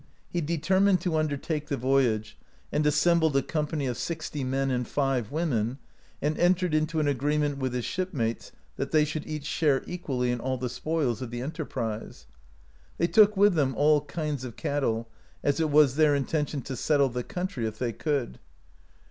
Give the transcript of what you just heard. He deter mined to undertake the voyage, and assembled a company of sixty men and five women, and entered into an agree ment with his shipmates that they should each share equally in all the spoils of the enterprise. They took with them all kinds of cattle, as it was their intention to settle the country, if they could.